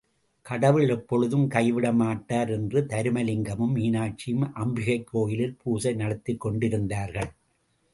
கடவுள் எப்பொழுதும் கைவிடமாட்டார் என்று தருமலிங்கமும் மீனாட்சியும் அம்பிகைக் கோயிலில் பூசை நடத்திக் கொண்டிருந்தார்கள்.